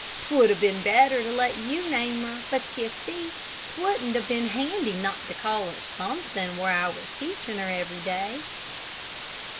'Twould 'a been better to let you name her, but ye see 'twouldn't 'a been handy not to call her somethin', where I was teachin' her every day."